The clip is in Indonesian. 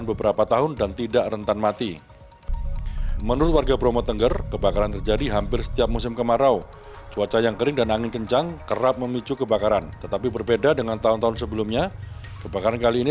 sebelumnya kembali kembali kembali